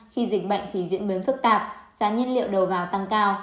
khi dịch bệnh thì diễn biến phức tạp giá nhiên liệu đầu vào tăng cao